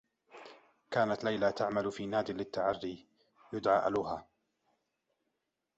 كانت ليلى تعمل في ناد للتّعرّي يدعى ألوها.